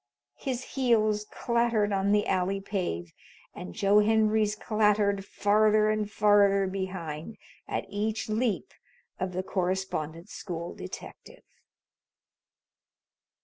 His heels clattered on the alley pave, and Joe Henry's clattered farther and farther behind at each leap of the Correspondence School detective.